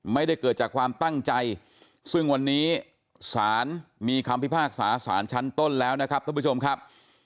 ไม่ได้เกิดจากความตั้งใจซึ่งวันนี้ศาลมีคำพิพากษาสารชั้นต้นแล้วนะครับท่านผู้ชมครับ